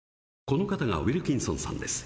この方がウィルキンソンさんです。